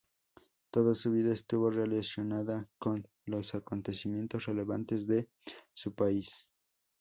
Toda su vida estuvo relacionada con los acontecimientos relevantes de su país.